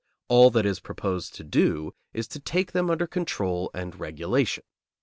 All that it is proposed to do is to take them under control and regulation.